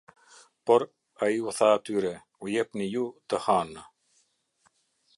Por ai u tha atyre: "U epni ju të hanë".